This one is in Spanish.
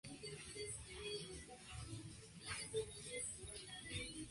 Fue además el primer presidente de la Asociación Nacional del Rifle.